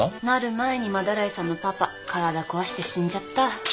なる前に斑井さんのパパ体壊して死んじゃった。